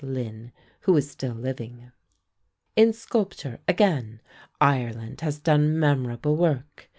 Lynn, who is still living. In sculpture, again, Ireland has done memorable work.